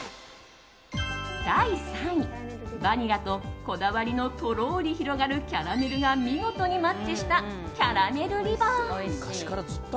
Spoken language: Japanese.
第３位、バニラとこだわりのとろーり広がるキャラメルが見事にマッチしたキャラメルリボン。